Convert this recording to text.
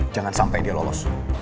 jangan sampai dia lolos